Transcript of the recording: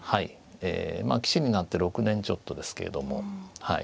ええまあ棋士になって６年ちょっとですけれどもはい。